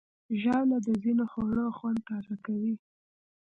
ژاوله د ځینو خوړو خوند تازه کوي.